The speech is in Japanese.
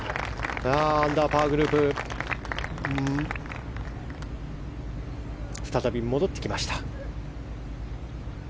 アンダーパーグループに再び戻ってきました。